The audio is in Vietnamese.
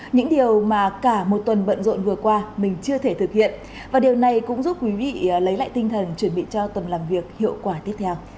những điều mà cả một tuần bận rộn vừa qua mình chưa thể thực hiện và điều này cũng giúp quý vị lấy lại tinh thần chuẩn bị cho tuần làm việc hiệu quả tiếp theo